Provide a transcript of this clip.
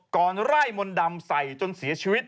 ก่อนไร่มนต์ดำใส่จนเสียชีวิต